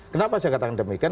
kenapa saya katakan demikian